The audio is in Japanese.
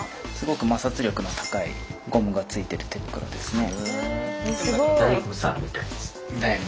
すごく摩擦力の高いゴムがついてる手袋ですね。